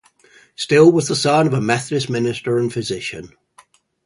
Still was the son of a Methodist minister and physician.